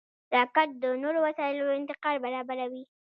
راکټ د نورو وسایلو انتقال برابروي